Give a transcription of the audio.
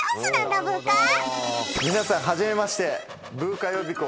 皆さん初めまして。